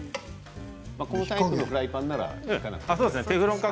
このタイプのフライパンなら引かなくていいか。